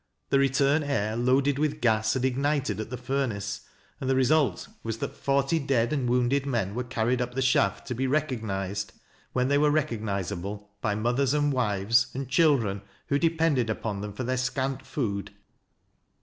The retm n air, loadeJ with gas, had ignited at the furnace, and the result waa that forty dead and wounded men were carried up the shaft, to be recognized, when they were recognizable, by mothers, and wives, and children, who depended upon them for their scant food."